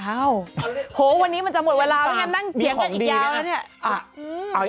โหวันนี้มันจะหมดเวลาไม่งั้นนั่งเถียงกันอีกยาวแล้วเนี่ย